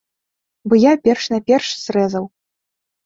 Бо я перш-наперш зрэзаў.